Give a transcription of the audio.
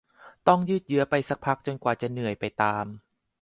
ต้องยืดเยื้อไปสักพักจนกว่าจะเหนื่อยไปตาม